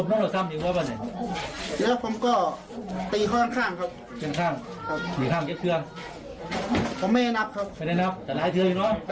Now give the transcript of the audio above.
ตีแคว้าให้กว่านั้นแล้วตีข้างไม่ได้นับแต่ลายถือกัน